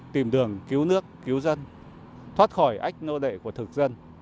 tìm đường cứu nước cứu dân thoát khỏi ách nô đệ của thực dân